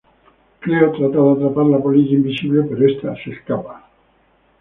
Cleo trata de atrapar la polilla invisible pero esta se escapa.